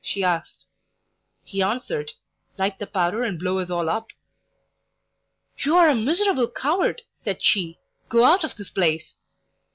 she asked. He answered: "Light the powder and blow us all up." "You are a miserable coward!" said she. "Go out of this place."